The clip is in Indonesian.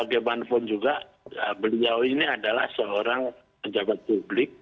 bagaimanapun juga beliau ini adalah seorang pejabat publik